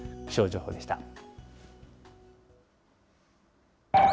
気象情報でした。